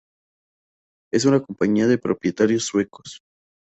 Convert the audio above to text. Es una compañía de propietarios suecos.